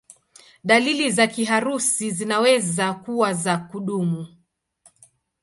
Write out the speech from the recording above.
Dalili za kiharusi zinaweza kuwa za kudumu.